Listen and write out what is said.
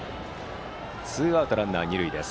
ツーアウトランナー、二塁です。